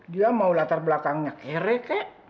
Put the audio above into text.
dia mau latar belakangnya kere kek